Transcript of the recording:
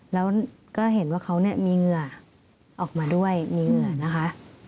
แล้วก็เห็นว่าเขามีเหงื่อออกมาด้วยมีเหงื่อนะคะ